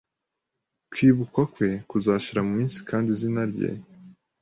Kwibukwa kwe kuzashira mu isi Kandi izina rye